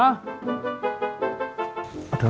aduh ronyi gak ya